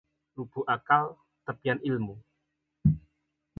Lubuk akal tepian ilmu